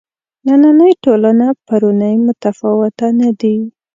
نننۍ ټولنه پرونۍ متفاوته نه دي.